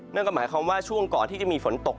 นั่นก็หมายความว่าช่วงก่อนที่จะมีฝนตก